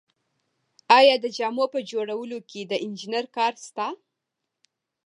آیا د جامو په جوړولو کې د انجینر کار شته